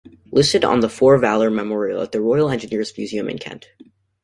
Listed on the "For Valour" memorial at the Royal Engineers Museum in Kent.